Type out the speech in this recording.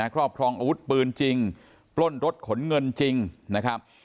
ครอบครองอาวุธปืนจริงปล้นรถขนเงินจริงนะครับ